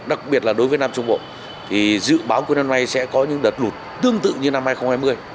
đặc biệt là đối với nam trung bộ thì dự báo cuối năm nay sẽ có những đợt lụt tương tự như năm hai nghìn hai mươi